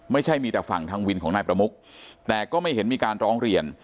ไม่ใช่มีแต่ฝั่งทางวินของนายประมุกแต่ก็ไม่เห็นมีการร้องเรียน